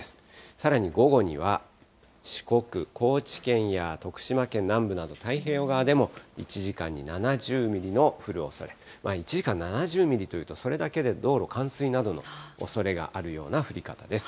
さらに午後には、四国・高知県や徳島県南部など太平洋側でも１時間に７０ミリの降るおそれ。１時間７０ミリというと、それだけで道路冠水などのおそれがあるような降り方です。